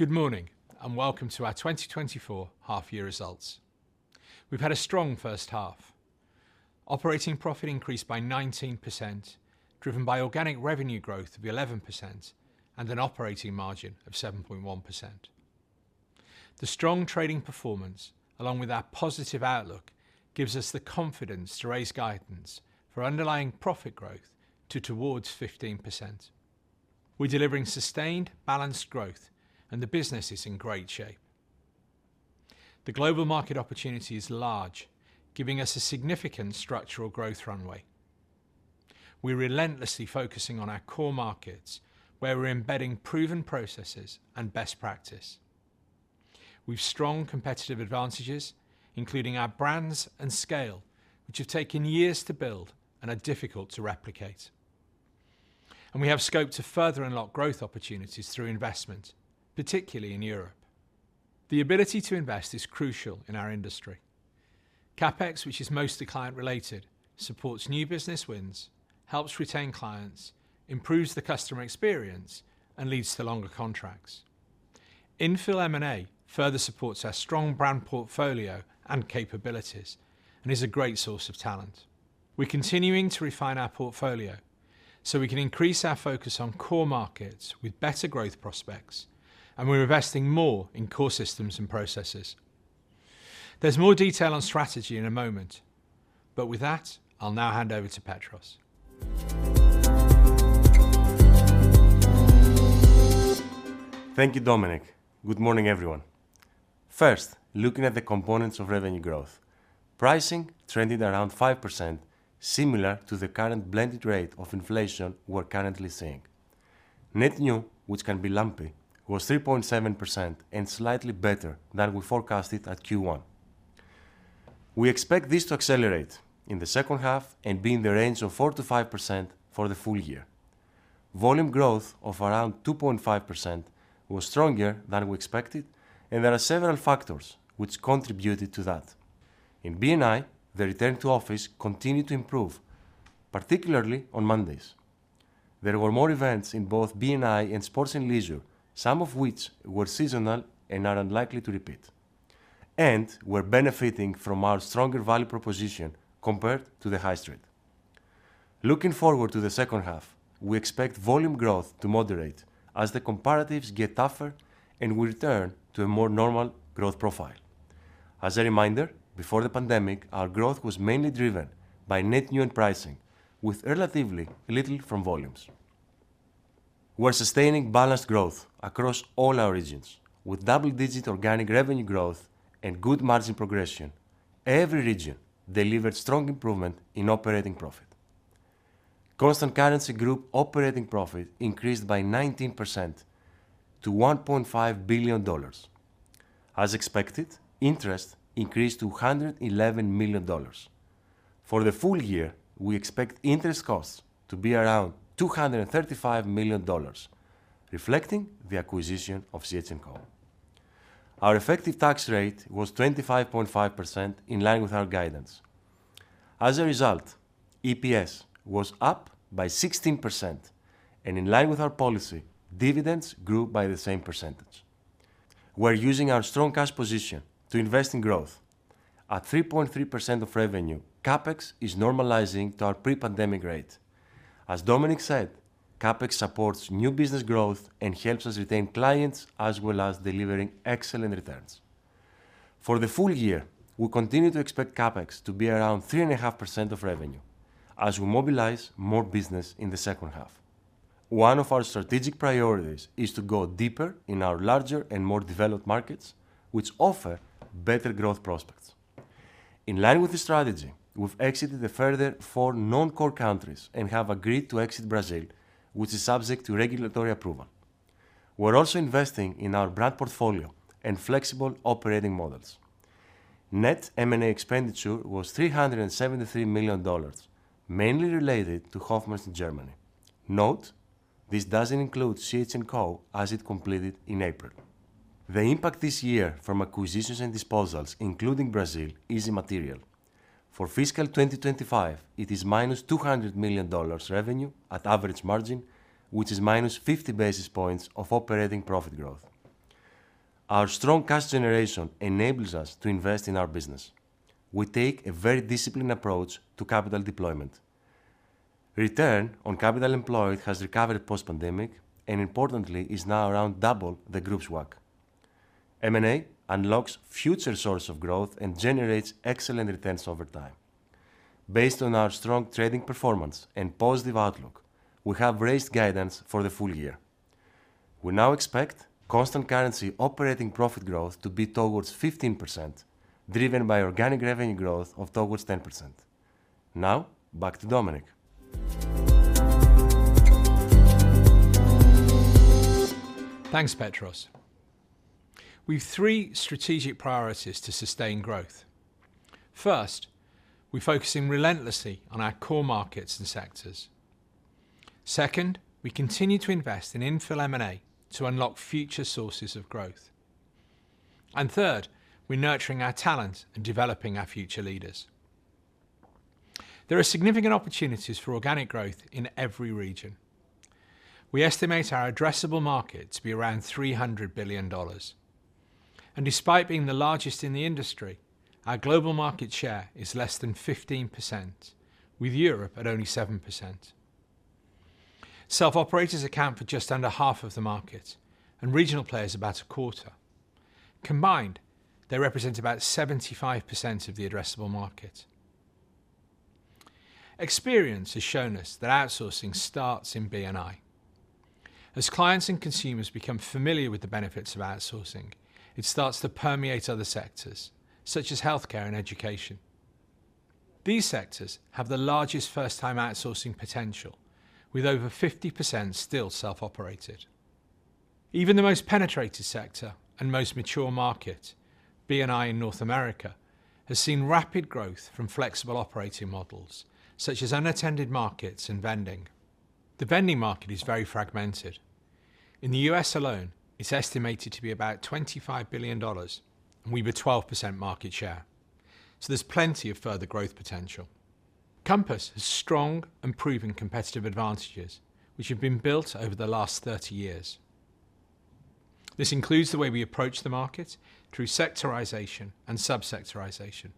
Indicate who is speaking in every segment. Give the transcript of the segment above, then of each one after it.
Speaker 1: Good morning, and welcome to our 2024 half-year results. We've had a strong first half. Operating profit increased by 19%, driven by organic revenue growth of 11% and an operating margin of 7.1%. The strong trading performance, along with our positive outlook, gives us the confidence to raise guidance for underlying profit growth to towards 15%. We're delivering sustained, balanced growth, and the business is in great shape. The global market opportunity is large, giving us a significant structural growth runway. We're relentlessly focusing on our core markets, where we're embedding proven processes and best practice. We've strong competitive advantages, including our brands and scale, which have taken years to build and are difficult to replicate. And we have scope to further unlock growth opportunities through investment, particularly in Europe. The ability to invest is crucial in our industry. CapEx, which is mostly client-related, supports new business wins, helps retain clients, improves the customer experience, and leads to longer contracts. Infill M&A further supports our strong brand portfolio and capabilities and is a great source of talent. We're continuing to refine our portfolio so we can increase our focus on core markets with better growth prospects, and we're investing more in core systems and processes. There's more detail on strategy in a moment, but with that, I'll now hand over to Petros.
Speaker 2: Thank you, Dominic. Good morning, everyone. First, looking at the components of revenue growth. Pricing trended around 5%, similar to the current blended rate of inflation we're currently seeing. Net new, which can be lumpy, was 3.7% and slightly better than we forecasted at Q1. We expect this to accelerate in the second half and be in the range of 4%-5% for the full year. Volume growth of around 2.5% was stronger than we expected, and there are several factors which contributed to that. In B&I, the return to office continued to improve, particularly on Mondays. There were more events in both B&I and sports and leisure, some of which were seasonal and are unlikely to repeat, and we're benefiting from our stronger value proposition compared to the high street. Looking forward to the second half, we expect volume growth to moderate as the comparatives get tougher and we return to a more normal growth profile. As a reminder, before the pandemic, our growth was mainly driven by net new and pricing, with relatively little from volumes. We're sustaining balanced growth across all our regions, with double-digit organic revenue growth and good margin progression. Every region delivered strong improvement in operating profit. Constant currency group operating profit increased by 19% to $1.5 billion. As expected, interest increased to $111 million. For the full year, we expect interest costs to be around $235 million, reflecting the acquisition of CH&CO. Our effective tax rate was 25.5%, in line with our guidance. As a result, EPS was up by 16%, and in line with our policy, dividends grew by the same percentage. We're using our strong cash position to invest in growth. At 3.3% of revenue, CapEx is normalizing to our pre-pandemic rate. As Dominic said, CapEx supports new business growth and helps us retain clients, as well as delivering excellent returns. For the full year, we continue to expect CapEx to be around 3.5% of revenue as we mobilize more business in the second half. One of our strategic priorities is to go deeper in our larger and more developed markets, which offer better growth prospects. In line with the strategy, we've exited a further 4 non-core countries and have agreed to exit Brazil, which is subject to regulatory approval. We're also investing in our brand portfolio and flexible operating models. Net M&A expenditure was $373 million, mainly related to Hofmanns in Germany. Note, this doesn't include CH&CO as it completed in April. The impact this year from acquisitions and disposals, including Brazil, is immaterial. For fiscal 2025, it is -$200 million revenue at average margin, which is -50 basis points of operating profit growth. Our strong cash generation enables us to invest in our business. We take a very disciplined approach to capital deployment. Return on capital employed has recovered post-pandemic and importantly, is now around double the group's WACC. M&A unlocks future sources of growth and generates excellent returns over time. Based on our strong trading performance and positive outlook, we have raised guidance for the full year. We now expect constant currency operating profit growth to be towards 15%, driven by organic revenue growth of towards 10%. Now, back to Dominic.
Speaker 1: Thanks, Petros. We've three strategic priorities to sustain growth. First, we're focusing relentlessly on our core markets and sectors. Second, we continue to invest in infill M&A to unlock future sources of growth. And third, we're nurturing our talent and developing our future leaders. There are significant opportunities for organic growth in every region. We estimate our addressable market to be around $300 billion. And despite being the largest in the industry, our global market share is less than 15%, with Europe at only 7%. Self-operators account for just under half of the market, and regional players, about a quarter. Combined, they represent about 75% of the addressable market. Experience has shown us that outsourcing starts in B&I. As clients and consumers become familiar with the benefits of outsourcing, it starts to permeate other sectors, such as healthcare and education. These sectors have the largest first-time outsourcing potential, with over 50% still self-operated. Even the most penetrated sector and most mature market, B&I in North America, has seen rapid growth from flexible operating models, such as unattended markets and vending. The vending market is very fragmented. In the U.S. alone, it's estimated to be about $25 billion, and we have a 12% market share, so there's plenty of further growth potential. Compass has strong and proven competitive advantages which have been built over the last 30 years. This includes the way we approach the market through sectorization and sub-sectorization.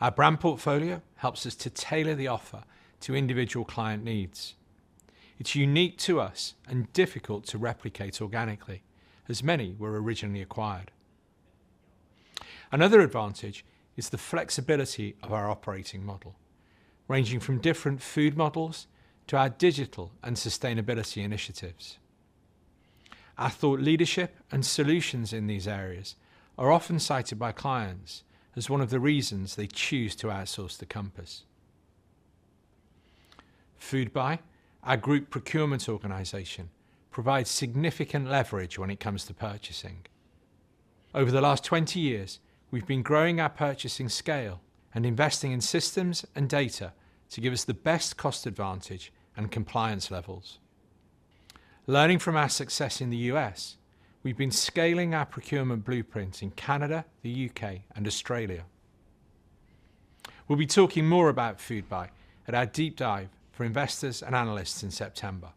Speaker 1: Our brand portfolio helps us to tailor the offer to individual client needs. It's unique to us and difficult to replicate organically, as many were originally acquired. Another advantage is the flexibility of our operating model, ranging from different food models to our digital and sustainability initiatives. Our thought leadership and solutions in these areas are often cited by clients as one of the reasons they choose to outsource to Compass. Foodbuy, our group procurement organization, provides significant leverage when it comes to purchasing. Over the last 20 years, we've been growing our purchasing scale and investing in systems and data to give us the best cost advantage and compliance levels. Learning from our success in the U.S., we've been scaling our procurement blueprint in Canada, the U.K., and Australia. We'll be talking more about Foodbuy at our deep dive for investors and analysts in September.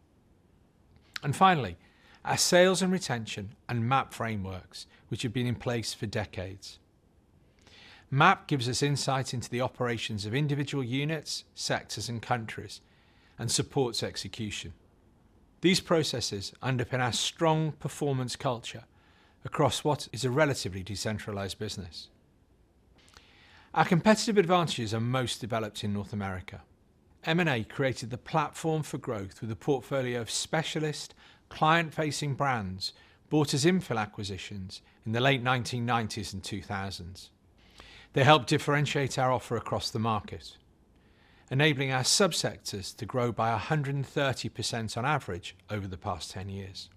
Speaker 1: And finally, our sales and retention and MAP frameworks, which have been in place for decades. MAP gives us insight into the operations of individual units, sectors, and countries, and supports execution. These processes underpin our strong performance culture across what is a relatively decentralized business. Our competitive advantages are most developed in North America. M&A created the platform for growth with a portfolio of specialist, client-facing brands bought as infill acquisitions in the late 1990s and 2000s. They helped differentiate our offer across the market, enabling our subsectors to grow by 130% on average over the past 10 years.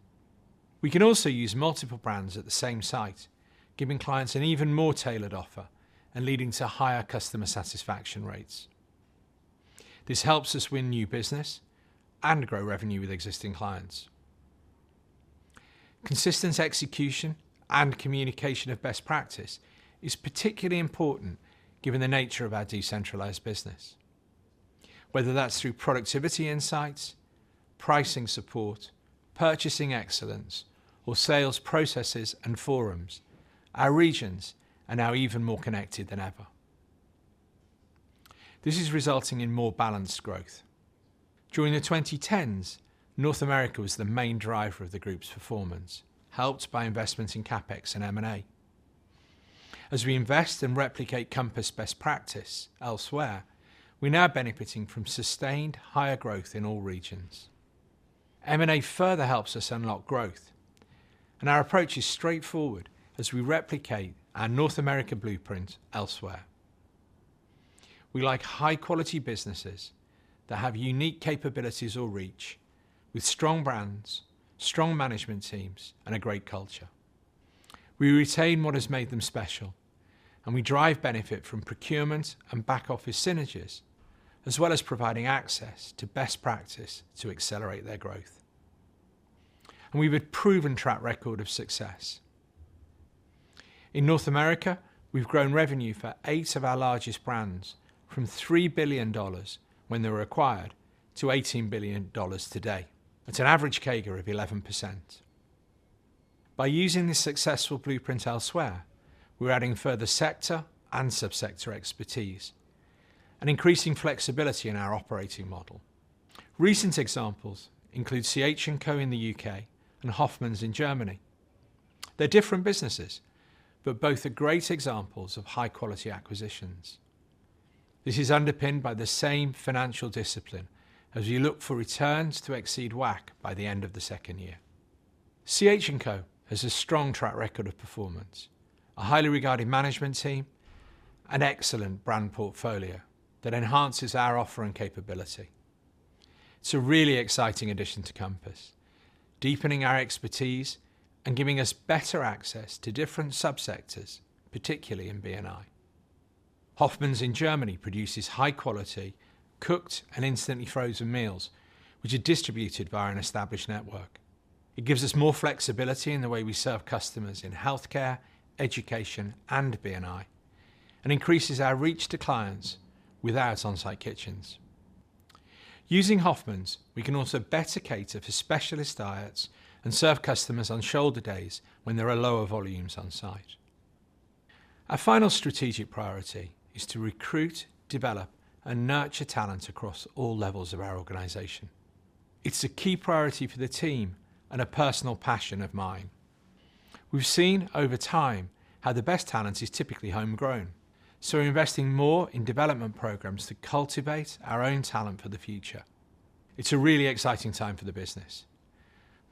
Speaker 1: We can also use multiple brands at the same site, giving clients an even more tailored offer and leading to higher customer satisfaction rates. This helps us win new business and grow revenue with existing clients. Consistent execution and communication of best practice is particularly important given the nature of our decentralized business. Whether that's through productivity insights, pricing support, purchasing excellence, or sales processes and forums, our regions are now even more connected than ever. This is resulting in more balanced growth. During the 2010s, North America was the main driver of the group's performance, helped by investments in CapEx and M&A. As we invest and replicate Compass' best practice elsewhere, we're now benefiting from sustained higher growth in all regions. M&A further helps us unlock growth, and our approach is straightforward as we replicate our North America blueprint elsewhere. We like high-quality businesses that have unique capabilities or reach with strong brands, strong management teams, and a great culture. We retain what has made them special, and we drive benefit from procurement and back office synergies, as well as providing access to best practice to accelerate their growth. And we have a proven track record of success. In North America, we've grown revenue for eight of our largest brands from $3 billion when they were acquired to $18 billion today. That's an average CAGR of 11%. By using this successful blueprint elsewhere, we're adding further sector and subsector expertise and increasing flexibility in our operating model. Recent examples include CH&CO in the UK and Hofmanns in Germany. They're different businesses, but both are great examples of high-quality acquisitions. This is underpinned by the same financial discipline as we look for returns to exceed WACC by the end of the second year. CH&CO has a strong track record of performance, a highly regarded management team, an excellent brand portfolio that enhances our offer and capability. It's a really exciting addition to Compass, deepening our expertise and giving us better access to different subsectors, particularly in B&I. Hofmanns in Germany produces high quality, cooked and instantly frozen meals, which are distributed by an established network. It gives us more flexibility in the way we serve customers in healthcare, education, and B&I, and increases our reach to clients with our on-site kitchens. Using Hofmanns, we can also better cater for specialist diets and serve customers on shoulder days when there are lower volumes on site. Our final strategic priority is to recruit, develop, and nurture talent across all levels of our organization. It's a key priority for the team and a personal passion of mine. We've seen over time how the best talent is typically homegrown, so we're investing more in development programs to cultivate our own talent for the future. It's a really exciting time for the business.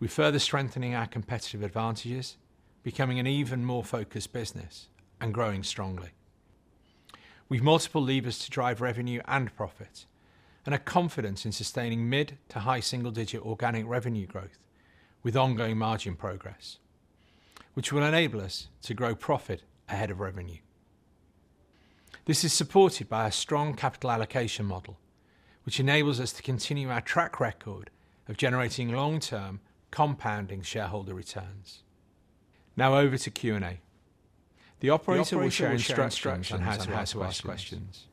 Speaker 1: We're further strengthening our competitive advantages, becoming an even more focused business and growing strongly. have multiple levers to drive revenue and profit, and a confidence in sustaining mid- to high-single-digit organic revenue growth with ongoing margin progress, which will enable us to grow profit ahead of revenue. This is supported by our strong capital allocation model, which enables us to continue our track record of generating long-term compounding shareholder returns. Now over to Q&A. The operator will share instructions on how to ask questions.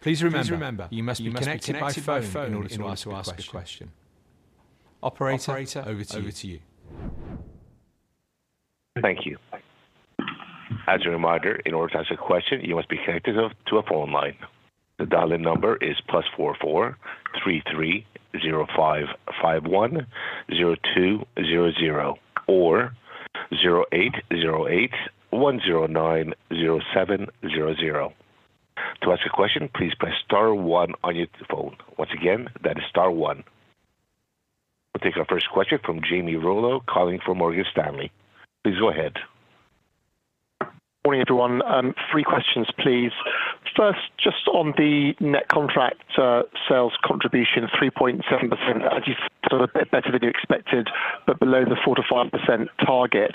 Speaker 1: Please remember, you must be connected by phone in order to ask a question. Operator, over to you.
Speaker 3: Thank you. As a reminder, in order to ask a question, you must be connected to a phone line. The dial-in number is +44 330 551 0200 or 0808 109 0700. To ask a question, please press star one on your phone. Once again, that is star one. We'll take our first question from Jamie Rollo, calling from Morgan Stanley. Please go ahead.
Speaker 4: Morning, everyone. Three questions, please. First, just on the net contract sales contribution, 3.7%, as you sort of better than you expected, but below the 4%-5% target,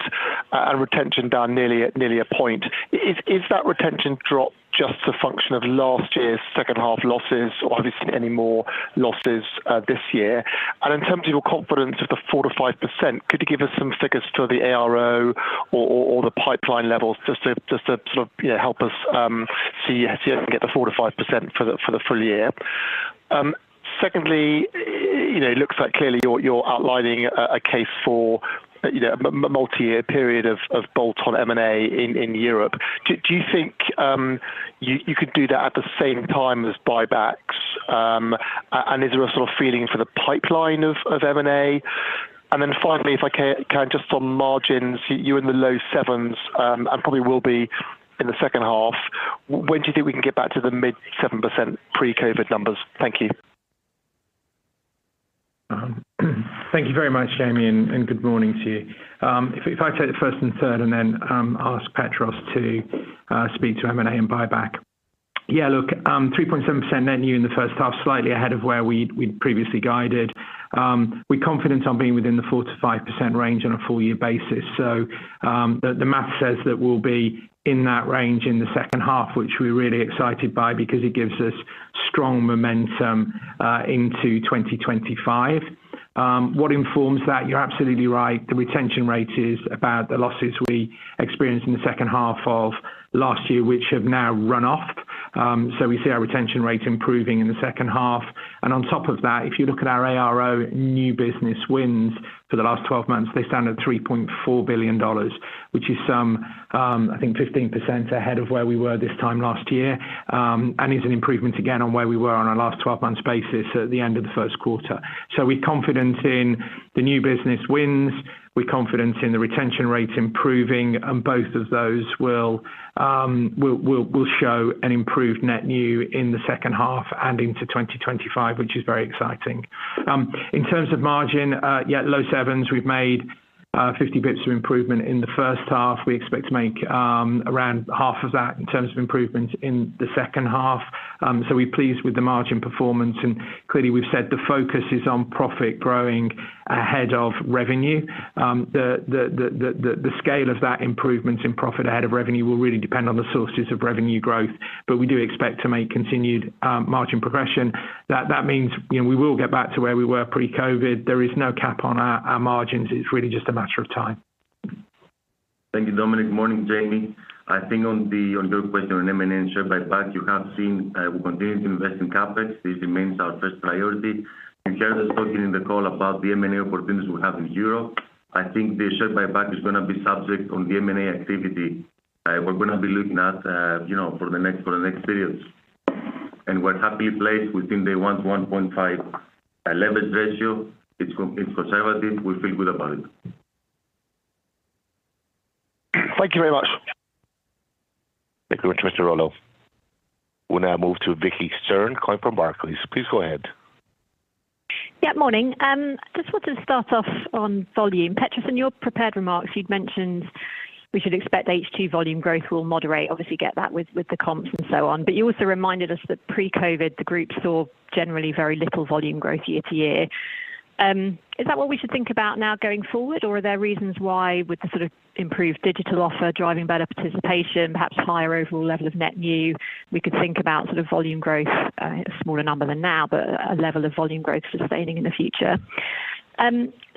Speaker 4: and retention down nearly a point. Is that retention drop just a function of last year's second half losses, or have you seen any more losses this year? And in terms of your confidence of the 4%-5%, could you give us some figures for the ARO or the pipeline levels, just to sort of, you know, help us see how you get the 4%-5% for the full year? Secondly, you know, it looks like clearly you're outlining a case for, you know, multi-year period of bolt-on M&A in Europe. Do you think you could do that at the same time as buybacks? And is there a sort of feeling for the pipeline of M&A? And then finally, if I can, just on margins, you're in the low 7s%, and probably will be in the second half. When do you think we can get back to the mid-7% pre-COVID numbers? Thank you.
Speaker 1: Thank you very much, Jamie, and, and good morning to you. If I take the first and third and then, ask Petros to speak to M&A and buyback. Yeah, look, 3.7% net new in the first half, slightly ahead of where we'd, we'd previously guided. We're confident on being within the 4%-5% range on a full year basis. So, the, the math says that we'll be in that range in the second half, which we're really excited by because it gives us strong momentum, into 2025. What informs that? You're absolutely right. The retention rate is about the losses we experienced in the second half of last year, which have now run off. So we see our retention rate improving in the second half. On top of that, if you look at our ARO, new business wins for the last twelve months, they stand at $3.4 billion, which is some, I think 15% ahead of where we were this time last year, and is an improvement again on where we were on a last twelve months basis at the end of the first quarter. So we're confident in the new business wins, we're confident in the retention rates improving, and both of those will show an improved net new in the second half and into 2025, which is very exciting. In terms of margin, yeah, low sevens, we've made 50 basis points of improvement in the first half. We expect to make around half of that in terms of improvements in the second half. So we're pleased with the margin performance, and clearly, we've said the focus is on profit growing ahead of revenue. The scale of that improvement in profit ahead of revenue will really depend on the sources of revenue growth, but we do expect to make continued margin progression. That means, you know, we will get back to where we were pre-COVID. There is no cap on our margins. It's really just a matter of time.
Speaker 2: Thank you, Dominic. Morning, Jamie. I think on the, on your question on M&A and share buyback, you have seen we continue to invest in CapEx. This remains our first priority. You heard us talking in the call about the M&A opportunities we have in Europe. I think the share buyback is gonna be subject on the M&A activity. We're gonna be looking at, you know, for the next, for the next periods. And we're happily placed within the 1-1.5 leverage ratio. It's conservative. We feel good about it.
Speaker 4: Thank you very much.
Speaker 3: Thank you very much, Mr. Rollo. We'll now move to Vicki Stern, calling from Barclays. Please go ahead.
Speaker 5: Yeah, morning. Just wanted to start off on volume. Petros, in your prepared remarks, you'd mentioned we should expect H2 volume growth will moderate. Obviously, get that with, with the comps and so on. But you also reminded us that pre-COVID, the group saw generally very little volume growth year to year. Is that what we should think about now going forward, or are there reasons why, with the sort of improved digital offer, driving better participation, perhaps higher overall level of net new, we could think about sort of volume growth, a smaller number than now, but a level of volume growth sustaining in the future?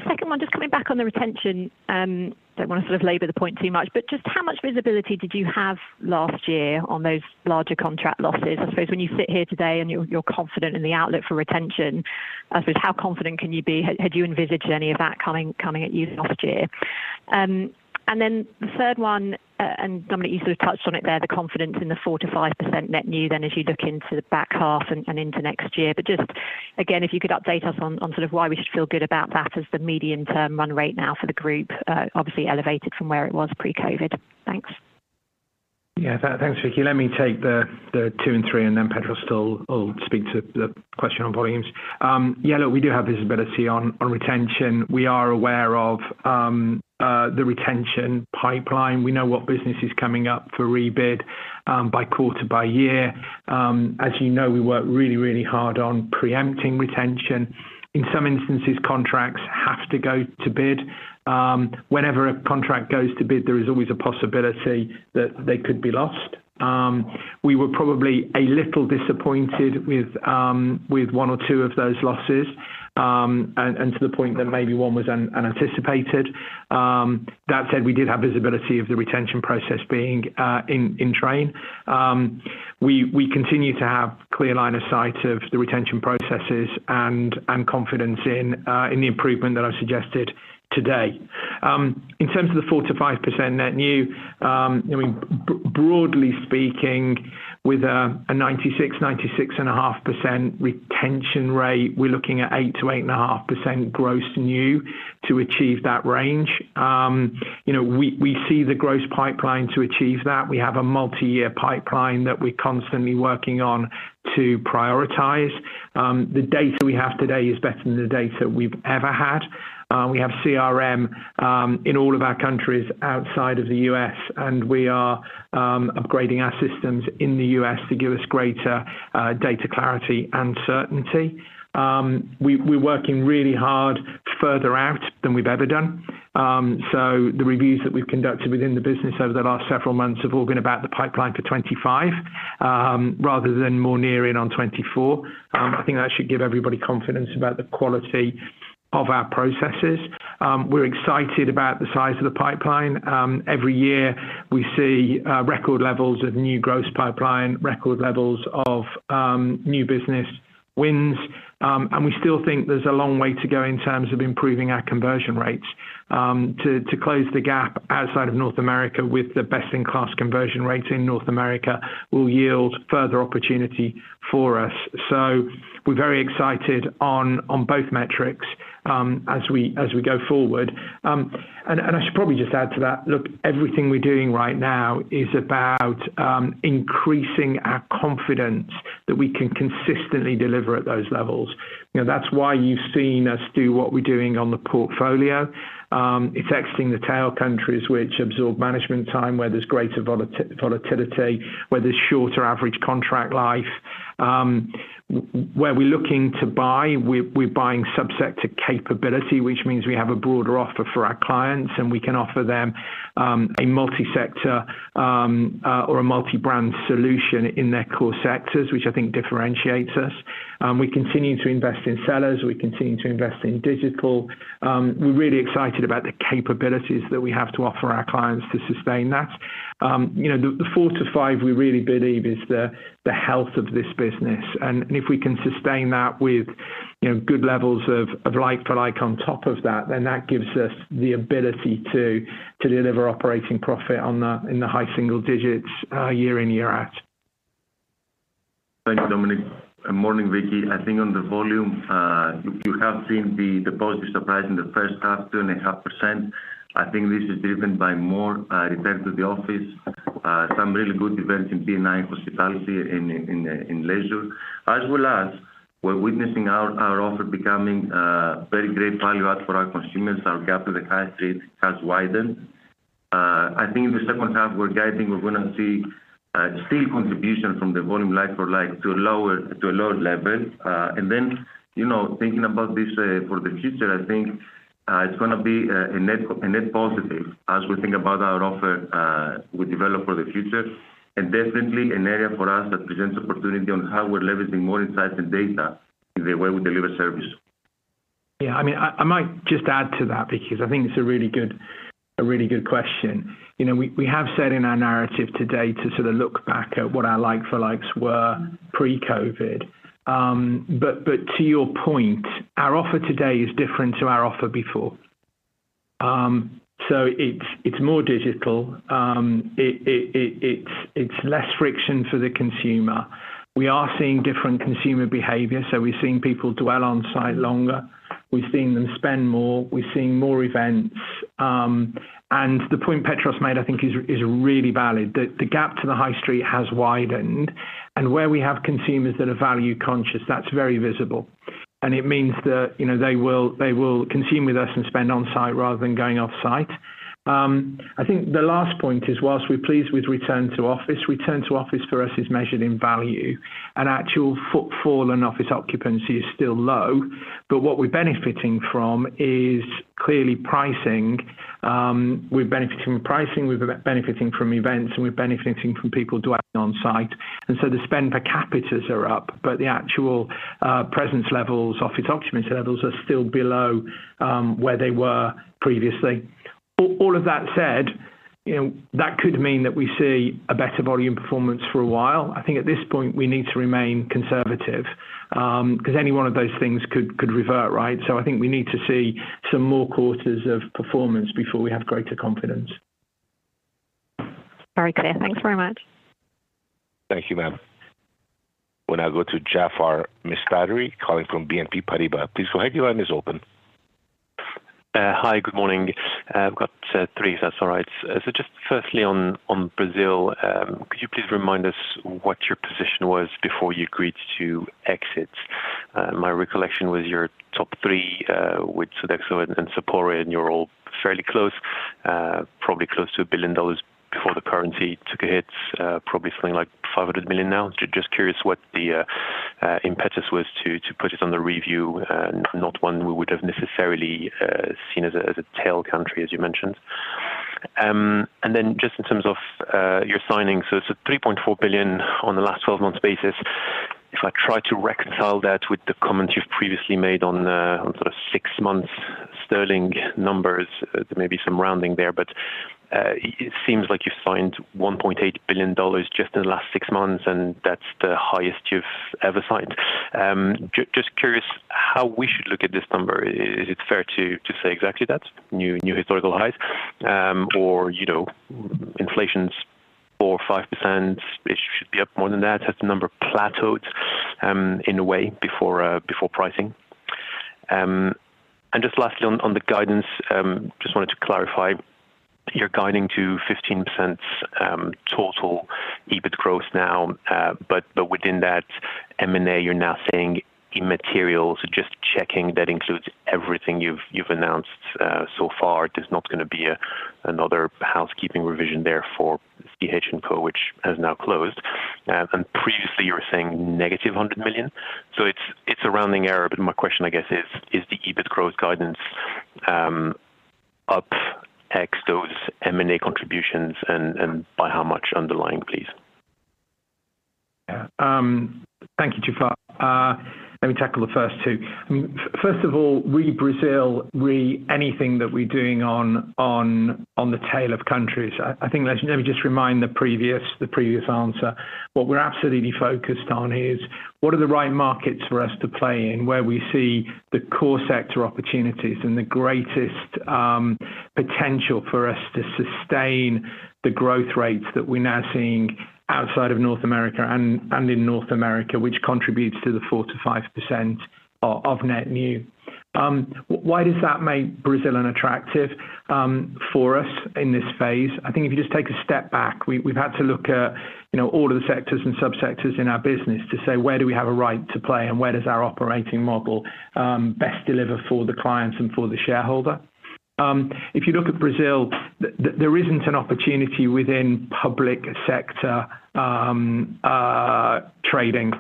Speaker 5: Second one, just coming back on the retention. Don't want to sort of labor the point too much, but just how much visibility did you have last year on those larger contract losses? I suppose when you sit here today, and you're confident in the outlook for retention, I suppose, how confident can you be? Had you envisaged any of that coming at you last year? And then the third one, and Dominic, you sort of touched on it there, the confidence in the 4%-5% net new, then as you look into the back half and into next year. But just, again, if you could update us on sort of why we should feel good about that as the medium-term run rate now for the group, obviously elevated from where it was pre-COVID. Thanks.
Speaker 1: Yeah, thanks, Vicki. Let me take the two and three, and then Petros will speak to the question on volumes. Yeah, look, we do have visibility on retention. We are aware of the retention pipeline. We know what business is coming up for rebid, by quarter, by year. As you know, we work really, really hard on preempting retention. In some instances, contracts have to go to bid. Whenever a contract goes to bid, there is always a possibility that they could be lost. We were probably a little disappointed with one or two of those losses, and to the point that maybe one was unanticipated. That said, we did have visibility of the retention process being in train. We continue to have clear line of sight of the retention processes and confidence in the improvement that I suggested today. In terms of the 4%-5% net new, I mean, broadly speaking, with a 96-96.5% retention rate, we're looking at 8%-8.5% gross new to achieve that range. You know, we see the gross pipeline to achieve that. We have a multi-year pipeline that we're constantly working on to prioritize. The data we have today is better than the data we've ever had. We have CRM in all of our countries outside of the U.S., and we are upgrading our systems in the U.S. to give us greater data clarity and certainty. We're working really hard further out than we've ever done. So the reviews that we've conducted within the business over the last several months have all been about the pipeline for 25, rather than more nearing on 24. I think that should give everybody confidence about the quality of our processes. We're excited about the size of the pipeline. Every year, we see record levels of new gross pipeline, record levels of new business wins, and we still think there's a long way to go in terms of improving our conversion rates. To close the gap outside of North America with the best-in-class conversion rates in North America will yield further opportunity for us. So we're very excited on both metrics as we go forward. I should probably just add to that. Look, everything we're doing right now is about increasing our confidence that we can consistently deliver at those levels. You know, that's why you've seen us do what we're doing on the portfolio. It's exiting the tail countries which absorb management time, where there's greater volatility, where there's shorter average contract life. Where we're looking to buy, we're buying subsector capability, which means we have a broader offer for our clients, and we can offer them a multi-sector or a multi-brand solution in their core sectors, which I think differentiates us. We continue to invest in sellers. We continue to invest in digital. We're really excited about the capabilities that we have to offer our clients to sustain that. You know, the 4-5, we really believe is the health of this business, and if we can sustain that with, you know, good levels of like for like on top of that, then that gives us the ability to deliver operating profit in the high single digits, year in, year out.
Speaker 2: Thank you, Dominic. Morning, Vicki. I think on the volume, you have seen the positive surprise in the first half, 2.5%. I think this is driven by more return to the office, some really good events in B&I, hospitality, in leisure, as well as we're witnessing our offer becoming very great value add for our consumers. Our gap to the high street has widened. I think in the second half, we're guiding, we're gonna see still contribution from the volume like for like to a lower level. And then, you know, thinking about this for the future, I think it's gonna be a net positive as we think about our offer we develop for the future, and definitely an area for us that presents opportunity on how we're leveraging more insights and data in the way we deliver service.
Speaker 1: Yeah, I mean, I might just add to that, Vicki, because I think it's a really good question. You know, we have said in our narrative today to sort of look back at what our like for likes were pre-COVID. But to your point, our offer today is different to our offer before. So it's more digital. It's less friction for the consumer. We are seeing different consumer behavior, so we're seeing people dwell on site longer. We're seeing them spend more. We're seeing more events. And the point Petros made, I think, is really valid. The gap to the high street has widened, and where we have consumers that are value conscious, that's very visible, and it means that, you know, they will, they will consume with us and spend on site rather than going off site. I think the last point is, whilst we're pleased with return to office, return to office for us is measured in value, and actual footfall and office occupancy is still low, but what we're benefiting from is clearly pricing. We're benefiting from pricing, we're benefiting from events, and we're benefiting from people dwelling on site. And so the spend per capitas are up, but the actual presence levels, office occupancy levels, are still below where they were previously. All of that said. You know, that could mean that we see a better volume performance for a while. I think at this point, we need to remain conservative, because any one of those things could revert, right? So I think we need to see some more quarters of performance before we have greater confidence.
Speaker 5: Very good. Thanks very much.
Speaker 3: Thank you, ma'am. We now go to Jaafar Mestari, calling from BNP Paribas. Please go ahead, your line is open.
Speaker 6: Hi, good morning. I've got three, if that's all right. So just firstly, on Brazil, could you please remind us what your position was before you agreed to exit? My recollection was your top three, with Sodexo and Sapore, and you're all fairly close, probably close to $1 billion before the currency took a hit, probably something like $500 million now. Just curious what the impetus was to put it on the review, and not one we would have necessarily seen as a tail country, as you mentioned. And then just in terms of your signings, so it's a $3.4 billion on the last twelve months basis. If I try to reconcile that with the comments you've previously made on the sort of six months sterling numbers, there may be some rounding there, but it seems like you've signed $1.8 billion just in the last six months, and that's the highest you've ever signed. Just curious how we should look at this number. Is it fair to say exactly that, new historical height? Or, you know, inflation's 4%-5%, it should be up more than that. Has the number plateaued in a way before pricing? And just lastly, on the guidance, just wanted to clarify, you're guiding to 15% total EBIT growth now, but within that M&A, you're now saying immaterial. So just checking that includes everything you've announced so far. There's not going to be another housekeeping revision there for CH&CO, which has now closed. And previously, you were saying -$100 million. So it's a rounding error, but my question, I guess, is: Is the EBIT growth guidance up X those M&A contributions, and by how much underlying, please?
Speaker 1: Yeah, thank you, Jaafar. Let me tackle the first two. First of all, re Brazil, re anything that we're doing on the tail of countries, I think let me just remind the previous, the previous answer. What we're absolutely focused on is, what are the right markets for us to play in, where we see the core sector opportunities and the greatest potential for us to sustain the growth rates that we're now seeing outside of North America and in North America, which contributes to the 4%-5% of net new. Why does that make Brazil unattractive for us in this phase? I think if you just take a step back, we've had to look at, you know, all of the sectors and subsectors in our business to say, where do we have a right to play, and where does our operating model best deliver for the clients and for the shareholder? If you look at Brazil, there isn't an opportunity within public sector trading.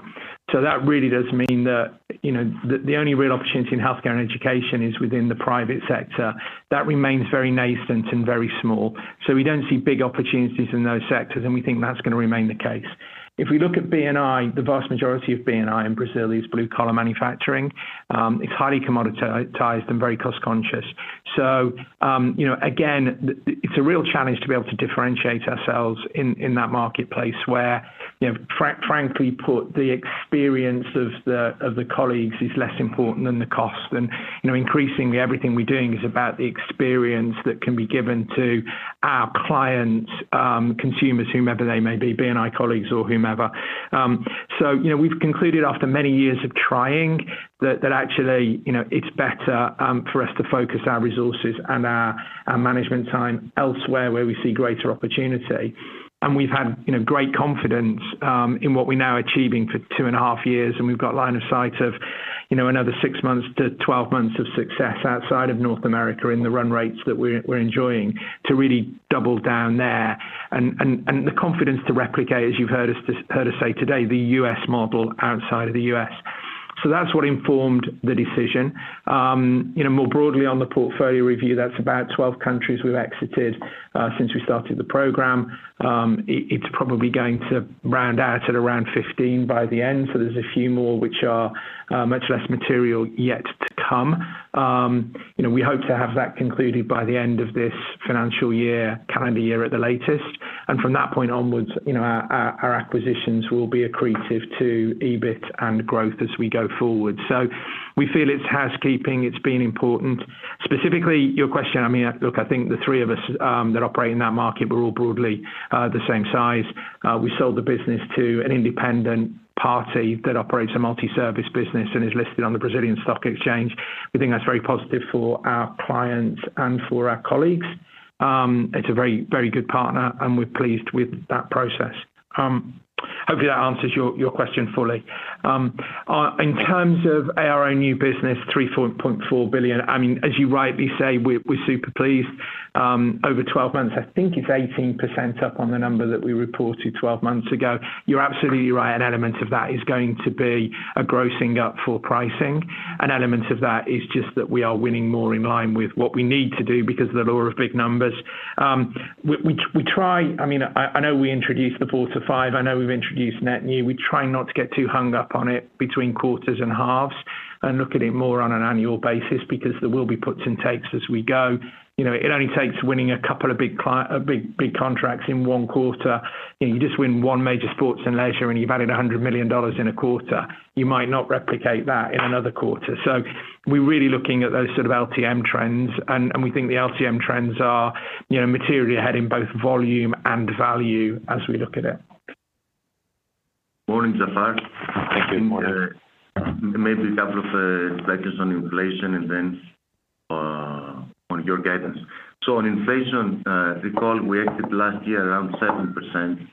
Speaker 1: So that really does mean that, you know, the only real opportunity in healthcare and education is within the private sector. That remains very nascent and very small, so we don't see big opportunities in those sectors, and we think that's going to remain the case. If we look at B&I, the vast majority of B&I in Brazil is blue-collar manufacturing. It's highly commoditized and very cost-conscious. So, you know, again, it's a real challenge to be able to differentiate ourselves in that marketplace, where, you know, frankly put, the experience of the colleagues is less important than the cost. And, you know, increasingly, everything we're doing is about the experience that can be given to our clients, consumers, whomever they may be, B&I colleagues or whomever. So, you know, we've concluded after many years of trying that actually, you know, it's better for us to focus our resources and our management time elsewhere, where we see greater opportunity. And we've had, you know, great confidence in what we're now achieving for two and a half years, and we've got line of sight of, you know, another six months to 12 months of success outside of North America in the run rates that we're enjoying to really double down there. And the confidence to replicate, as you've heard us say today, the US model outside of the US. So that's what informed the decision. You know, more broadly on the portfolio review, that's about 12 countries we've exited since we started the program. It's probably going to round out at around 15 by the end, so there's a few more which are much less material yet to come. You know, we hope to have that concluded by the end of this financial year, calendar year at the latest. From that point onwards, you know, our acquisitions will be accretive to EBIT and growth as we go forward. We feel it's housekeeping. It's been important. Specifically, your question, I mean, look, I think the three of us that operate in that market, we're all broadly the same size. We sold the business to an independent party that operates a multi-service business and is listed on the Brazilian Stock Exchange. We think that's very positive for our clients and for our colleagues. It's a very, very good partner, and we're pleased with that process. Hopefully, that answers your question fully. In terms of our new business, $3.4 billion, I mean, as you rightly say, we're super pleased. Over 12 months, I think it's 18% up on the number that we reported 12 months ago. You're absolutely right. An element of that is going to be a grossing up for pricing. An element of that is just that we are winning more in line with what we need to do because of the law of big numbers. We try—I mean, I know we introduced the 4-5. I know we've introduced net new. We try not to get too hung up on it between quarters and halves, and look at it more on an annual basis, because there will be puts and takes as we go. You know, it only takes winning a couple of big, big contracts in one quarter. You know, you just win one major sports and leisure, and you've added $100 million in a quarter. You might not replicate that in another quarter. So we're really looking at those sort of LTM trends, and we think the LTM trends are, you know, materially ahead in both volume and value as we look at it.
Speaker 2: Morning, Jaafar. Thank you. Maybe a couple of questions on inflation and then on your guidance. So on inflation, if you recall, we acted last year around 7%.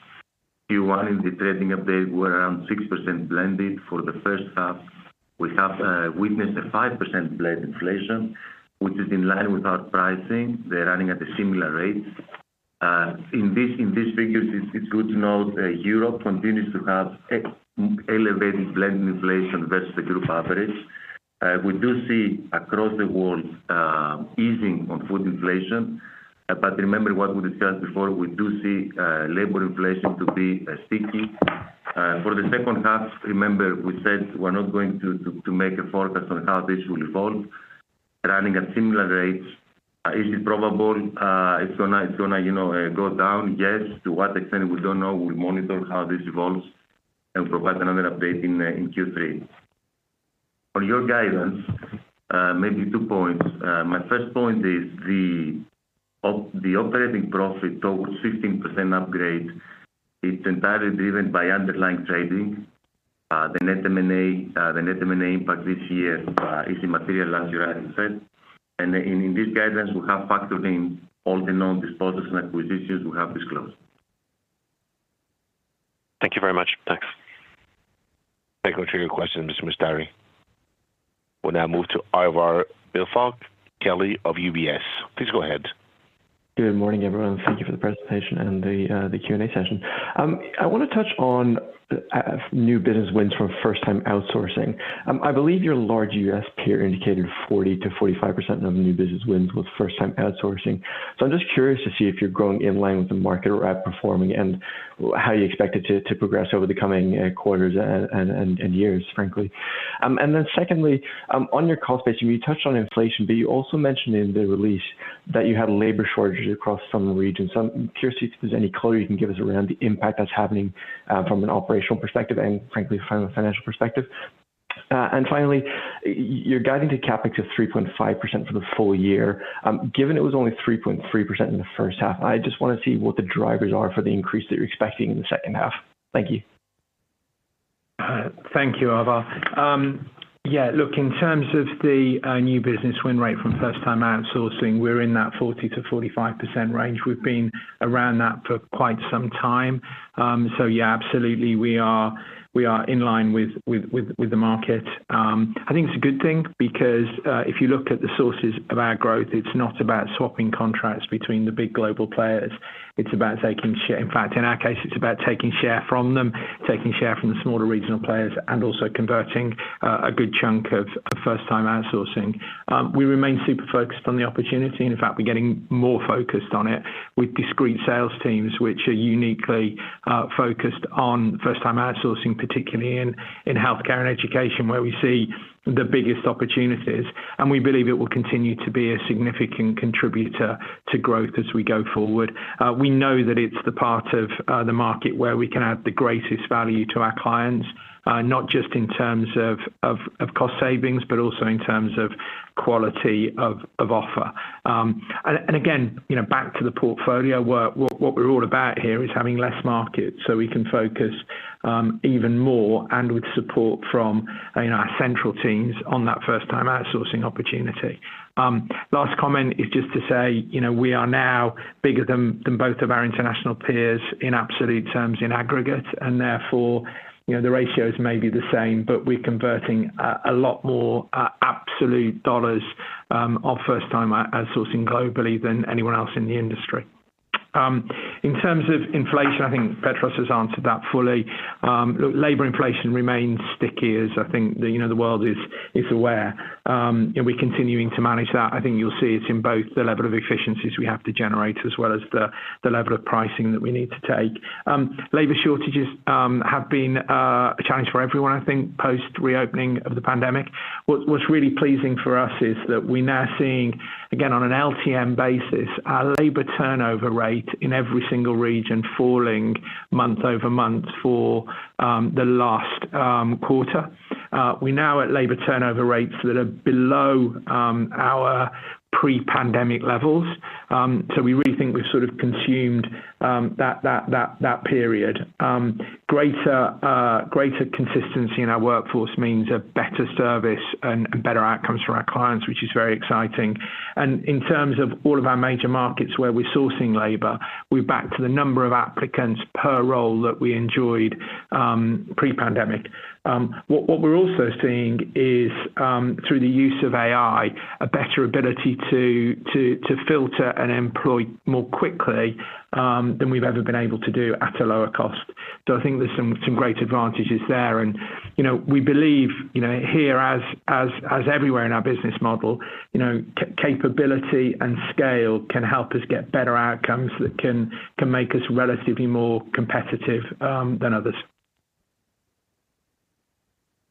Speaker 2: Q1, in the trading update, we're around 6% blended for the first half. We have witnessed a 5% blend inflation, which is in line with our pricing. They're running at a similar rate. In this, in these figures, it's good to note that Europe continues to have ex-elevated blend inflation versus the group average. We do see across the board easing on food inflation, but remember what we discussed before, we do see labor inflation to be sticky. For the second half, remember, we said we're not going to make a forecast on how this will evolve, running at similar rates. Is it probable, it's gonna, you know, go down? Yes. To what extent? We don't know. We'll monitor how this evolves and provide another update in Q3. On your guidance, maybe two points. My first point is the operating profit total 16% upgrade, it's entirely driven by underlying trading. The net M&A impact this year is immaterial as you already said. And in this guidance, we have factored in all the known disposals and acquisitions we have disclosed.
Speaker 6: Thank you very much. Thanks.
Speaker 3: Thank you for your question, Mr. Mestari. We'll now move to Ivar Billfalk-Kelly of UBS. Please go ahead.
Speaker 7: Good morning, everyone. Thank you for the presentation and the Q&A session. I wanna touch on new business wins from first time outsourcing. I believe your large U.S. peer indicated 40%-45% of new business wins was first time outsourcing. So I'm just curious to see if you're growing in line with the market or outperforming, and how you expect it to progress over the coming quarters and years, frankly. And then secondly, on your B&I space, you touched on inflation, but you also mentioned in the release that you had labor shortages across some of the regions. So I'm curious if there's any color you can give us around the impact that's happening from an operational perspective and frankly, from a financial perspective. And finally, you're guiding the CapEx to 3.5% for the full year. Given it was only 3.3% in the first half, I just wanna see what the drivers are for the increase that you're expecting in the second half. Thank you.
Speaker 1: Thank you, Ivar. Yeah, look, in terms of the new business win rate from first time outsourcing, we're in that 40%-45% range. We've been around that for quite some time. So yeah, absolutely we are in line with the market. I think it's a good thing because if you look at the sources of our growth, it's not about swapping contracts between the big global players. It's about taking share. In fact, in our case, it's about taking share from them, taking share from the smaller regional players, and also converting a good chunk of first-time outsourcing. We remain super focused on the opportunity. In fact, we're getting more focused on it with discrete sales teams, which are uniquely focused on first-time outsourcing, particularly in healthcare and education, where we see the biggest opportunities. We believe it will continue to be a significant contributor to growth as we go forward. We know that it's the part of the market where we can add the greatest value to our clients, not just in terms of cost savings, but also in terms of quality of offer. And again, you know, back to the portfolio, what we're all about here is having less market so we can focus even more and with support from, you know, our central teams on that first time outsourcing opportunity. Last comment is just to say, you know, we are now bigger than both of our international peers in absolute terms, in aggregate, and therefore, you know, the ratios may be the same, but we're converting a lot more absolute dollars of first time outsourcing globally than anyone else in the industry. In terms of inflation, I think Petros has answered that fully. Labor inflation remains sticky, as I think the, you know, the world is aware. And we're continuing to manage that. I think you'll see it's in both the level of efficiencies we have to generate, as well as the level of pricing that we need to take. Labor shortages have been a challenge for everyone, I think, post-reopening of the pandemic. What's really pleasing for us is that we're now seeing, again, on an LTM basis, our labor turnover rate in every single region falling month-over-month for the last quarter. We're now at labor turnover rates that are below our pre-pandemic levels. So we really think we've sort of consumed that period. Greater, greater consistency in our workforce means a better service and better outcomes for our clients, which is very exciting. And in terms of all of our major markets where we're sourcing labor, we're back to the number of applicants per role that we enjoyed pre-pandemic. What we're also seeing is through the use of AI, a better ability to filter and employ more quickly than we've ever been able to do at a lower cost. So I think there's some great advantages there. And, you know, we believe, you know, here, as everywhere in our business model, you know, capability and scale can help us get better outcomes that can make us relatively more competitive than others.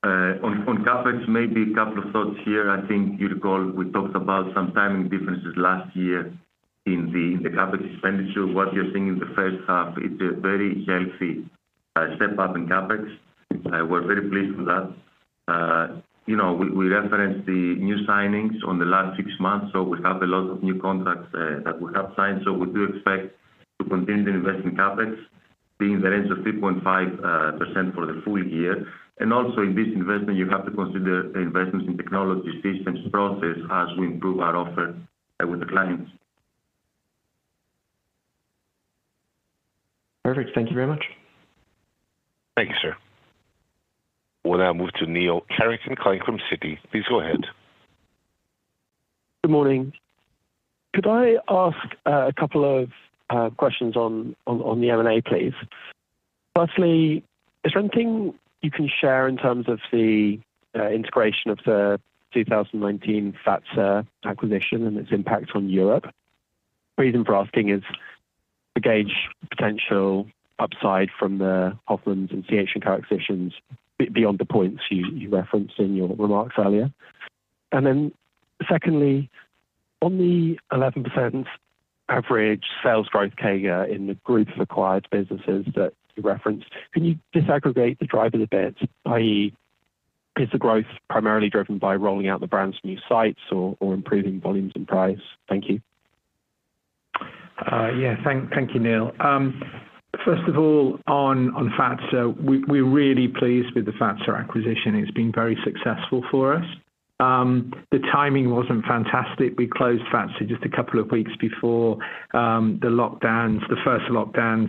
Speaker 2: On CapEx, maybe a couple of thoughts here. I think you recall we talked about some timing differences last year in the CapEx expenditure. What you're seeing in the first half, it's a very healthy step up in CapEx. We're very pleased with that. You know, we referenced the new signings on the last six months, so we have a lot of new contracts that we have signed. So we do expect to continue to invest in CapEx, in the range of 3.5% for the full year. And also, in this investment, you have to consider the investments in technology systems process as we improve our offer with the clients.
Speaker 7: Perfect. Thank you very much.
Speaker 3: Thank you, sir. We'll now move to Neil Carrington calling from Citi. Please go ahead.
Speaker 8: Good morning. Could I ask a couple of questions on the M&A, please? Firstly, is there anything you can share in terms of the integration of the 2019 Fazer acquisition and its impact on Europe? Reason for asking is to gauge potential upside from the Hofmanns and CH acquisitions beyond the points you referenced in your remarks earlier. And then secondly, on the 11% average sales growth CAGR in the group of acquired businesses that you referenced, can you disaggregate the drivers a bit, i.e., is the growth primarily driven by rolling out the brand's new sites or improving volumes and price? Thank you.
Speaker 1: Yeah, thank you, Neil. First of all, on Fazer, we're really pleased with the Fazer acquisition. It's been very successful for us. The timing wasn't fantastic. We closed Fazer just a couple of weeks before the lockdowns, the first lockdowns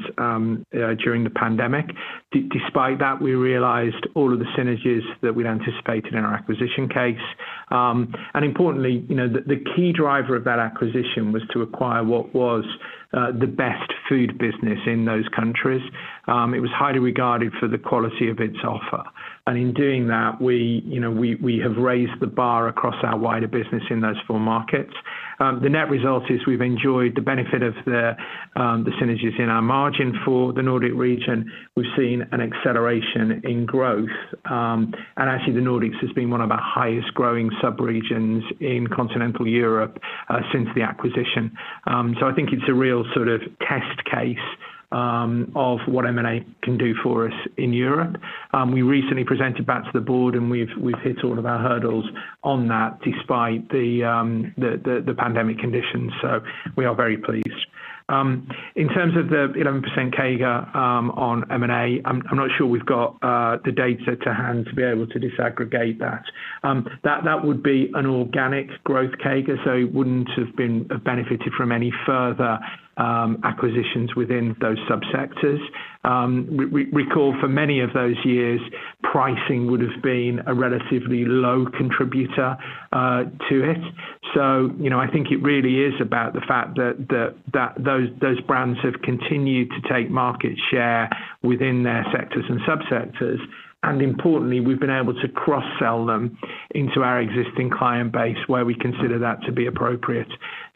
Speaker 1: during the pandemic. Despite that, we realized all of the synergies that we'd anticipated in our acquisition case. And importantly, you know, the key driver of that acquisition was to acquire what was the best food business in those countries. It was highly regarded for the quality of its offer, and in doing that, we, you know, we have raised the bar across our wider business in those four markets. The net result is we've enjoyed the benefit of the synergies in our margin for the Nordic region. We've seen an acceleration in growth, and actually, the Nordics has been one of our highest growing subregions in continental Europe, since the acquisition. So I think it's a real sort of test case, of what M&A can do for us in Europe. We recently presented back to the board, and we've hit all of our hurdles on that despite the pandemic conditions, so we are very pleased. In terms of the 11% CAGR, on M&A, I'm not sure we've got the data to hand to be able to disaggregate that. That would be an organic growth CAGR, so it wouldn't have been benefited from any further acquisitions within those subsectors. We recall for many of those years, pricing would have been a relatively low contributor, to it. So, you know, I think it really is about the fact that those brands have continued to take market share within their sectors and subsectors, and importantly, we've been able to cross-sell them into our existing client base, where we consider that to be appropriate.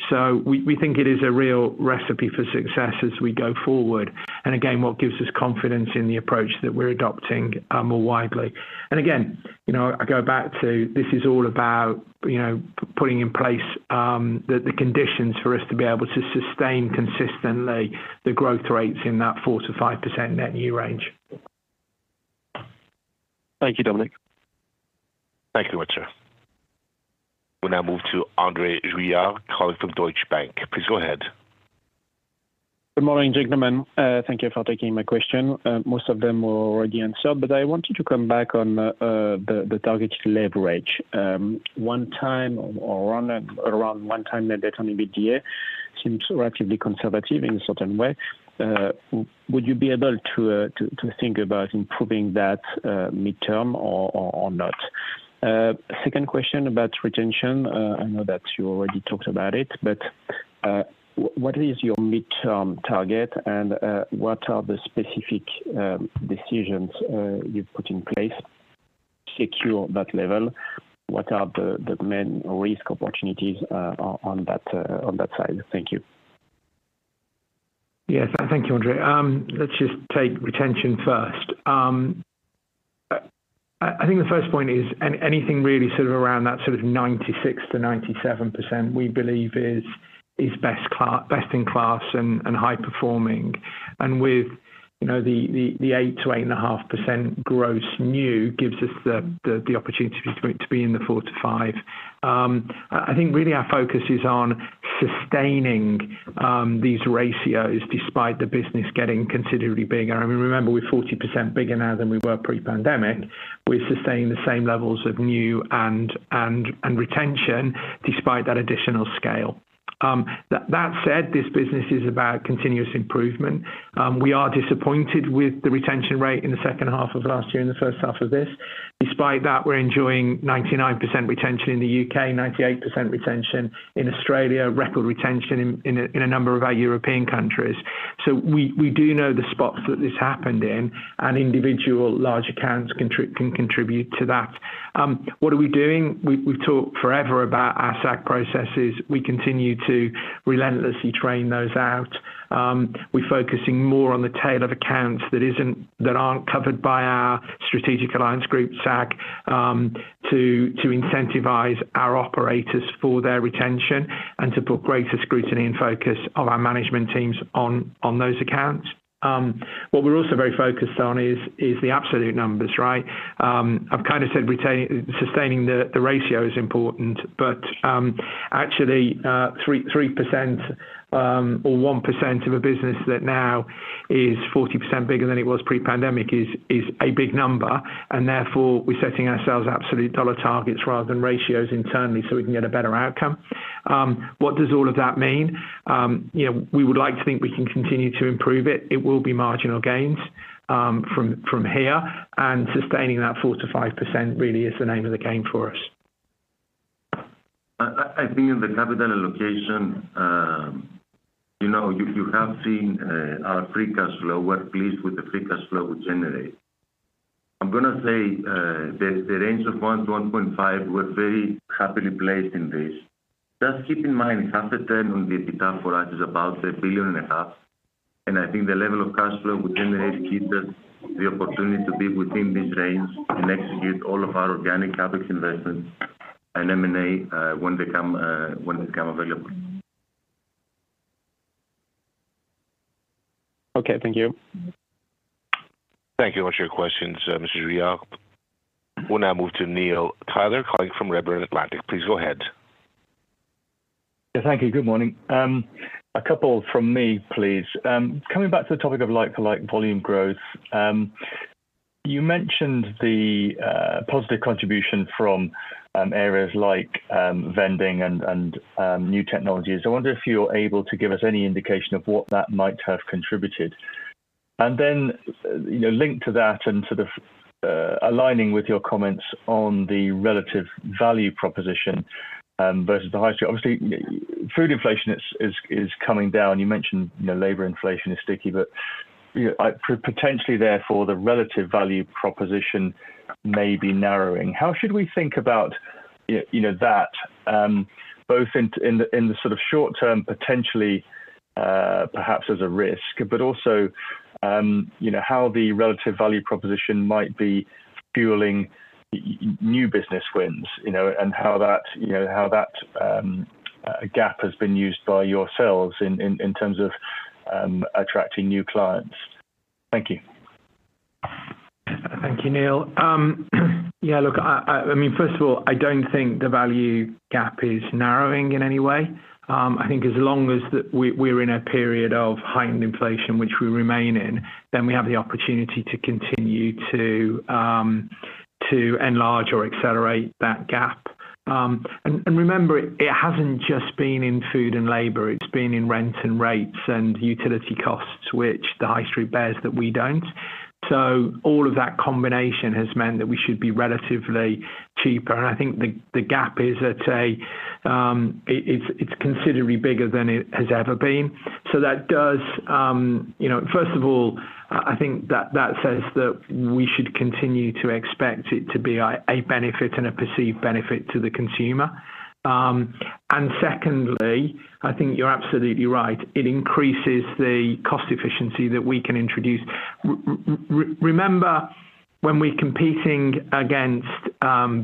Speaker 1: So we think it is a real recipe for success as we go forward, and again, what gives us confidence in the approach that we're adopting more widely. And again, you know, I go back to this is all about, you know, putting in place the conditions for us to be able to sustain consistently the growth rates in that 4%-5% net new range.
Speaker 8: Thank you, Dominic.
Speaker 3: Thank you very much, sir. We'll now move to Andre Juillard, calling from Deutsche Bank. Please go ahead.
Speaker 9: Good morning, gentlemen. Thank you for taking my question. Most of them were already answered, but I wanted to come back on the target leverage. 1x or around 1x, the net on EBITDA seems relatively conservative in a certain way. Would you be able to think about improving that midterm or not? Second question about retention. I know that you already talked about it, but what is your midterm target, and what are the specific decisions you've put in place to secure that level? What are the main risk opportunities on that side? Thank you.
Speaker 1: Yes, and thank you, Andre. Let's just take retention first. I think the first point is anything really sort of around that sort of 96%-97%, we believe is best in class and high performing. And with, you know, the eight to eight and a half percent gross new gives us the opportunity to be in the 4%-5%. I think really our focus is on sustaining these ratios despite the business getting considerably bigger. I mean, remember, we're 40% bigger now than we were pre-pandemic. We're sustaining the same levels of new and retention despite that additional scale. That said, this business is about continuous improvement. We are disappointed with the retention rate in the second half of last year and the first half of this. Despite that, we're enjoying 99% retention in the UK, 98% retention in Australia, record retention in a number of our European countries. So we do know the spots that this happened in, and individual large accounts can contribute to that. What are we doing? We've talked forever about our SAG processes. We continue to relentlessly train those out. We're focusing more on the tail of accounts that aren't covered by our Strategic Alliance Group, SAG, to incentivize our operators for their retention and to put greater scrutiny and focus of our management teams on those accounts. What we're also very focused on is the absolute numbers, right? I've kind of said sustaining the ratio is important, but actually, 3% or 1% of a business that now is 40% bigger than it was pre-pandemic is a big number, and therefore, we're setting ourselves absolute dollar targets rather than ratios internally so we can get a better outcome. What does all of that mean? You know, we would like to think we can continue to improve it. It will be marginal gains from here, and sustaining that 4%-5% really is the name of the game for us.
Speaker 2: I think in the capital allocation, you know, you have seen our free cash flow. We're pleased with the free cash flow we generate. I'm gonna say, the range of 1-1.5, we're very happily placed in this. Just keep in mind, half the turn on the EBITDA for us is about $1.5 billion, and I think the level of cash flow we generate gives us the opportunity to be within this range and execute all of our organic CapEx investments and M&A, when they come, when they become available.
Speaker 9: Okay, thank you.
Speaker 3: Thank you for your questions, Mr. Juillard. We'll now move to Neil Tyler, calling from Redburn Atlantic. Please go ahead.
Speaker 10: Yeah, thank you. Good morning. A couple from me, please. Coming back to the topic of like-for-like volume growth, you mentioned the positive contribution from areas like vending and new technologies. I wonder if you're able to give us any indication of what that might have contributed. And then, you know, linked to that and sort of aligning with your comments on the relative value proposition versus the high street. Obviously, food inflation is coming down. You mentioned, you know, labor inflation is sticky, but, you know, potentially therefore, the relative value proposition may be narrowing. How should we think about, you know, that both in the sort of short term, potentially, perhaps as a risk, but also, you know, how the relative value proposition might be fueling new business wins, you know, and how that gap has been used by yourselves in terms of attracting new clients? Thank you.
Speaker 1: Thank you, Neil. Yeah, look, I mean, first of all, I don't think the value gap is narrowing in any way. I think as long as we are in a period of heightened inflation, which we remain in, then we have the opportunity to continue to enlarge or accelerate that gap. And remember, it hasn't just been in food and labor, it's been in rent and rates and utility costs, which the high street bears that we don't. So all of that combination has meant that we should be relatively cheaper, and I think the gap is at a-it's considerably bigger than it has ever been. So that does, you know, first of all, I think that that says that we should continue to expect it to be a benefit and a perceived benefit to the consumer. And secondly, I think you're absolutely right, it increases the cost efficiency that we can introduce. Remember, when we're competing against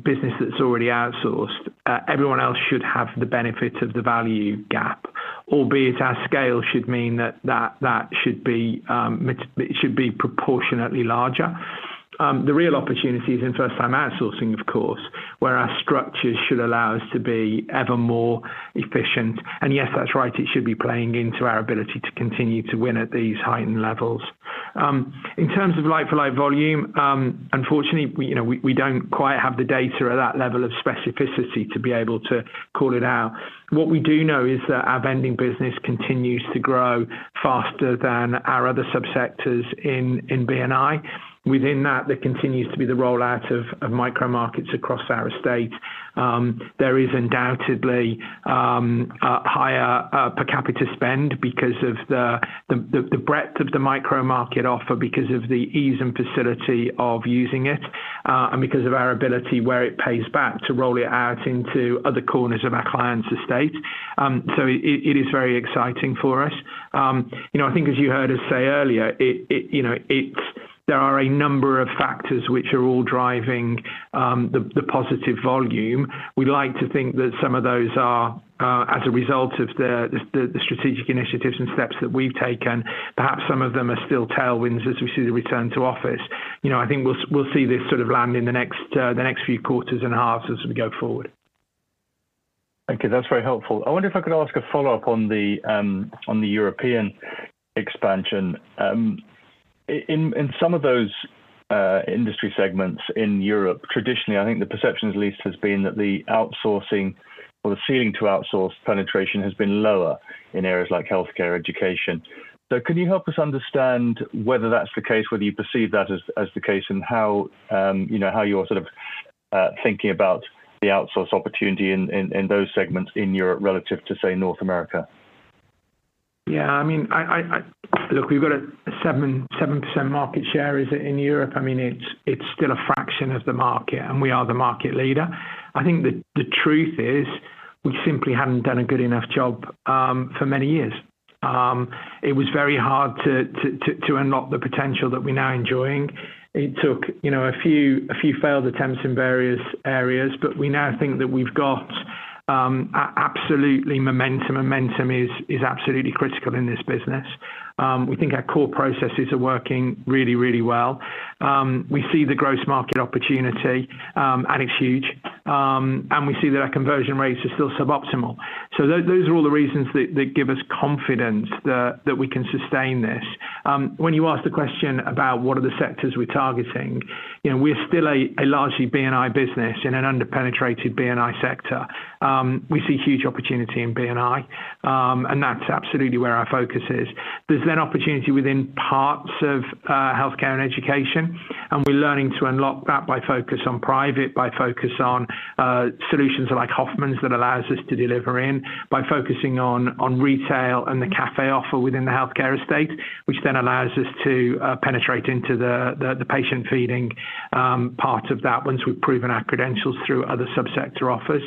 Speaker 1: business that's already outsourced, everyone else should have the benefit of the value gap, albeit our scale should mean that that should be it should be proportionately larger. The real opportunity is in first-time outsourcing, of course, where our structures should allow us to be ever more efficient. And yes, that's right, it should be playing into our ability to continue to win at these heightened levels. In terms of like-for-like volume, unfortunately, we, you know, we don't quite have the data at that level of specificity to be able to call it out. What we do know is that our vending business continues to grow faster than our other subsectors in B&I. Within that, there continues to be the rollout of micromarkets across our estate. There is undoubtedly a higher per capita spend because of the breadth of the micromarket offer, because of the ease and facility of using it, and because of our ability, where it pays back, to roll it out into other corners of our client's estate. So it is very exciting for us. You know, I think as you heard us say earlier, you know, there are a number of factors which are all driving the positive volume. We like to think that some of those are as a result of the strategic initiatives and steps that we've taken. Perhaps some of them are still tailwinds as we see the return to office. You know, I think we'll see this sort of land in the next few quarters and halves as we go forward.
Speaker 10: Thank you. That's very helpful. I wonder if I could ask a follow-up on the European expansion. In some of those industry segments in Europe, traditionally, I think the perception at least has been that the outsourcing or the ceiling to outsource penetration has been lower in areas like healthcare, education. So can you help us understand whether that's the case, whether you perceive that as the case, and how you know, how you're sort of thinking about the outsource opportunity in those segments in Europe relative to, say, North America?
Speaker 1: Yeah, I mean, Look, we've got a 7% market share, is it in Europe? I mean, it's still a fraction of the market, and we are the market leader. I think the truth is, we simply hadn't done a good enough job for many years. It was very hard to unlock the potential that we're now enjoying. It took, you know, a few failed attempts in various areas, but we now think that we've got absolutely momentum. Momentum is absolutely critical in this business. We think our core processes are working really, really well. We see the gross market opportunity, and it's huge. And we see that our conversion rates are still suboptimal. So those are all the reasons that give us confidence that we can sustain this. When you ask the question about what are the sectors we're targeting, you know, we're still a largely B&I business in an under-penetrated B&I sector. We see huge opportunity in B&I, and that's absolutely where our focus is. There's then opportunity within parts of healthcare and education, and we're learning to unlock that by focus on private, by focus on solutions like Hofmanns that allows us to deliver in, by focusing on retail and the café offer within the healthcare estate, which then allows us to penetrate into the patient feeding part of that once we've proven our credentials through other sub-sector offers.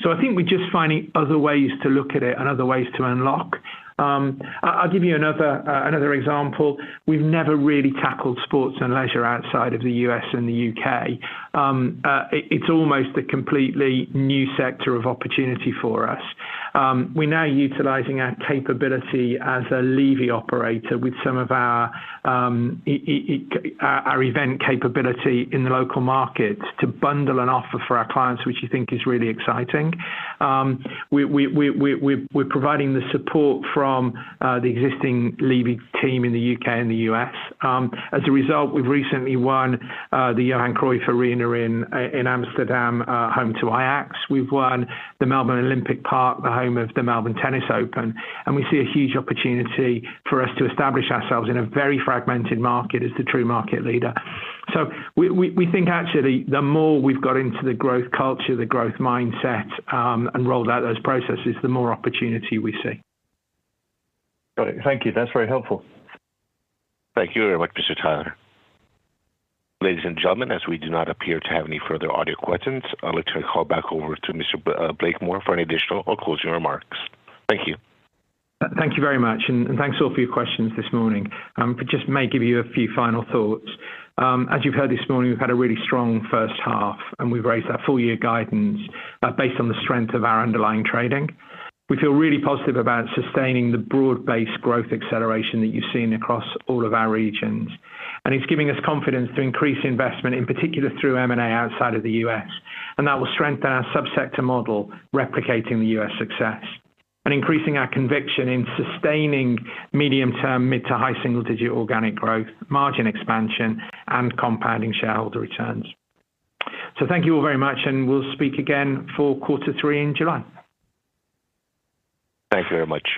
Speaker 1: So I think we're just finding other ways to look at it and other ways to unlock. I'll give you another example. We've never really tackled sports and leisure outside of the US and the UK. It's almost a completely new sector of opportunity for us. We're now utilizing our capability as a Levy operator with some of our event capability in the local market to bundle an offer for our clients, which you think is really exciting. We're providing the support from the existing Levy team in the UK and the US. As a result, we've recently won the Johan Cruyff Arena in Amsterdam, home to Ajax. We've won the Melbourne & Olympic Parks, the home of the Melbourne Tennis Open, and we see a huge opportunity for us to establish ourselves in a very fragmented market as the true market leader. We think actually, the more we've got into the growth culture, the growth mindset, and rolled out those processes, the more opportunity we see.
Speaker 10: Got it. Thank you. That's very helpful.
Speaker 3: Thank you very much, Mr. Tyler. Ladies and gentlemen, as we do not appear to have any further audio questions, I'll let you call back over to Mr. Blakemore for any additional or closing remarks. Thank you.
Speaker 1: Thank you very much, and thanks all for your questions this morning. I just may give you a few final thoughts. As you've heard this morning, we've had a really strong first half, and we've raised our full-year guidance, based on the strength of our underlying trading. We feel really positive about sustaining the broad-based growth acceleration that you've seen across all of our regions. And it's giving us confidence to increase investment, in particular through M&A outside of the U.S., and that will strengthen our sub-sector model, replicating the U.S. success and increasing our conviction in sustaining medium-term mid to high single-digit organic growth, margin expansion, and compounding shareholder returns. So thank you all very much, and we'll speak again for quarter three in July.
Speaker 3: Thank you very much.